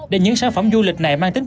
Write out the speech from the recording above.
để những sản phẩm du lịch này mang tích cực